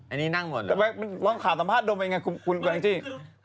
อันนี้นั่งหมดวางขาสัมภาษณ์โดงไปไงคุณแอนกจี้